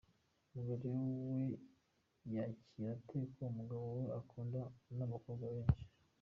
Umugore we yakira ate ko umugabo we akundwa n’abakobwa benshi?.